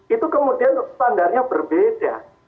itu kemudian standarnya berbeda